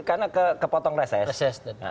karena kepotong reses